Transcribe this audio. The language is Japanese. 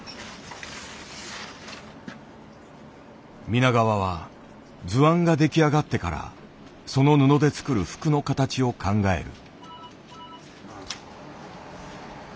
皆川は図案が出来上がってからその布で作る服の形を考える。